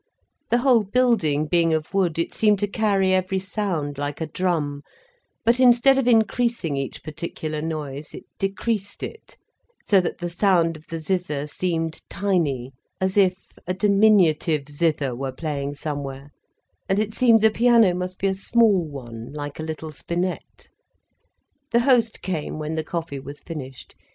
The whole building being of wood, it seemed to carry every sound, like a drum, but instead of increasing each particular noise, it decreased it, so that the sound of the zither seemed tiny, as if a diminutive zither were playing somewhere, and it seemed the piano must be a small one, like a little spinet. The host came when the coffee was finished.